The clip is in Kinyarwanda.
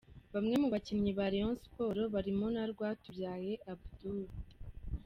Bamwe mu bakinnyi ba Rayon Sports barimo na Rwatubyaye Abdul .